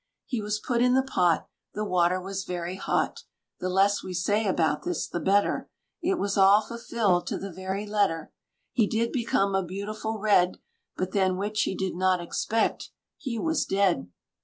He was put in the pot, The water was very hot; The less we say about this the better, It was all fulfilled to the very letter. He did become a beautiful red, But then which he did not expect he was dead!